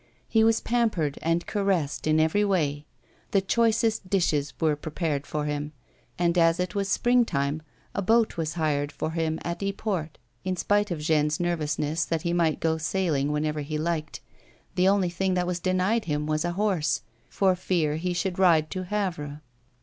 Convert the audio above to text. He was pampered and caressed in every way ; the choicest dishes were prepared for him, and, as it was springtime, a boat was hired for him at Yport, in spite of Jeanne's nervousness, that he might go sailing whenever he liked ; the only thing that was denied him was a horse, for fear he should ride to Havre.